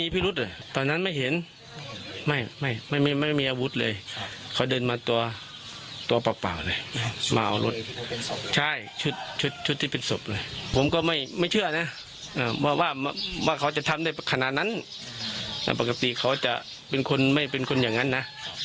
แต่ปกติเขาจะเป็นคนไม่เป็นคนอย่างนั้นนะ